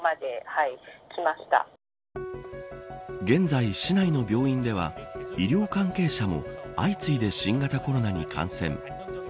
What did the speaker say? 現在、市内の病院では医療関係者も相次いで新型コロナに感染。